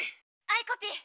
アイコピー。